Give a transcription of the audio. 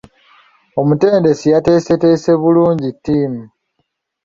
Omutendesi yateeseteese bulungi ttiimu.